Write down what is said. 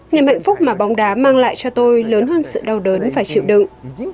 niềm hạnh phúc mà bóng đá mang lại cho tôi lớn hơn sự đau đớn và chịu đựng